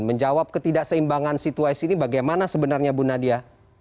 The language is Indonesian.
menjawab ketidakseimbangan situasi ini bagaimana sebenarnya bu nadia